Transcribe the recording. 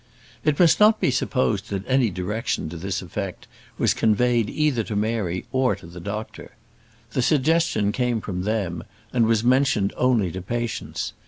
It must not be supposed that any direction to this effect was conveyed either to Mary or to the doctor. The suggestion came from them, and was mentioned only to Patience.